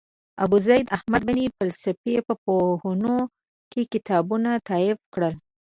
ابوزید احمد بن فلسفي په پوهنو کې کتابونه تالیف کړل.